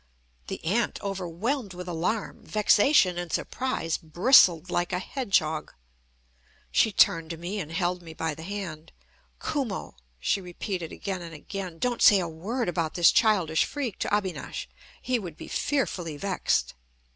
The aunt, overwhelmed with alarm, vexation, and surprise, bristled like a hedgehog. She turned to me, and held me by the hand. "Kumo," she repeated again and again, "don't say a word about this childish freak to Abinash. He would be fearfully vexed."